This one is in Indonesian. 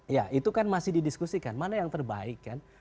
ya itu kan masih didiskusikan mana yang terbaik kan